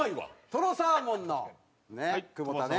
とろサーモンの久保田ね。